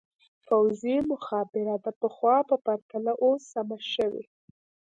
پوځي مخابره د پخوا په پرتله اوس سمه شوې.